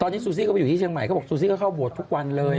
ตอนนี้ซูซี่ก็ไปอยู่ที่เชียงใหม่เขาบอกซูซี่ก็เข้าบวชทุกวันเลย